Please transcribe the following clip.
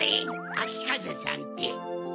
あきかぜさんって。